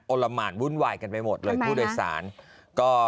อรรม่าบุญวายกันไปหมดเลยผู้โดยสารคำไม่ครับ